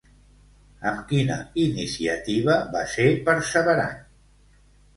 Amb quina iniciativa va ser perseverant?